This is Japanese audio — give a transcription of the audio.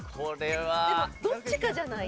でもどっちかじゃない？